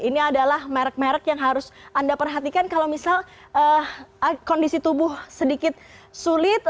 ini adalah merek merek yang harus anda perhatikan kalau misal kondisi tubuh sedikit sulit